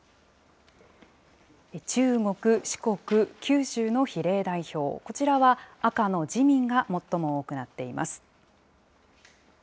中国、四国、九州の比例代表、こちらは赤の自民が最も多くなっています。